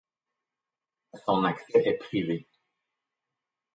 Son accès est privé.